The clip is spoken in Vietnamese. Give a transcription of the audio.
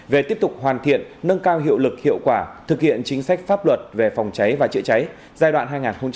về tiếp tục hoàn thiện nâng cao hiệu lực hiệu quả thực hiện chính sách pháp luật về phòng cháy và chữa cháy giai đoạn hai nghìn một mươi bốn hai nghìn hai mươi